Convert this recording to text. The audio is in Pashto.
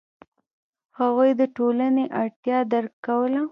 هغوی د ټولنې اړتیا درک کوله.